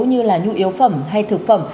như là nhu yếu phẩm hay thực phẩm